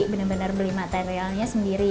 bener bener beli materialnya sendiri